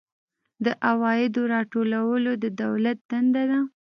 د عوایدو راټولول د دولت دنده ده